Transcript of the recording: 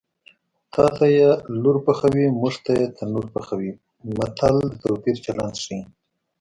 تاته یې لور پخوي موږ ته یې تنور پخوي متل د توپیر چلند ښيي